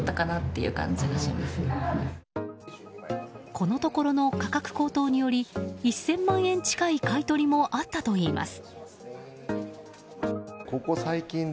このところの価格高騰により１０００万円近い買い取りもあったといいます。